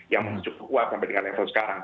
yang cukup kuat sampai dengan level sekarang